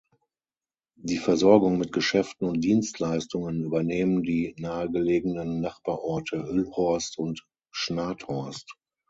Die Versorgung mit Geschäften und Dienstleistungen übernehmen die nahegelegenen Nachbarorte Hüllhorst und Schnathorst.